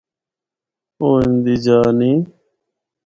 او اِن دی جآ نیں ۔